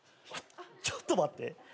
ちょっと待って。